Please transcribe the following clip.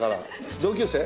同級生？